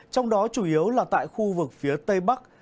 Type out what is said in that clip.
trong đó chủ yếu là tại khu vực phía tây bắc